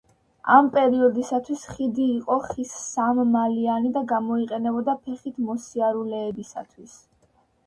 ამ პერიოდისათვის ხიდი იყო ხის სამმალიანი და გამოიყენებოდა ფეხით მოსიარულეებისათვის.